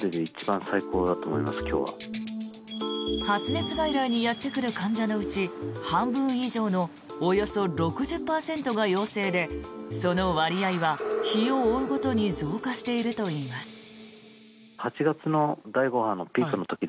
発熱外来にやってくる患者のうち半分以上のおよそ６０％が陽性でその割合は日を追うごとに増加しているといいます。